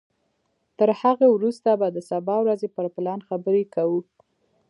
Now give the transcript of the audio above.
تر هغه وروسته به د سبا ورځې پر پلان خبرې کوو.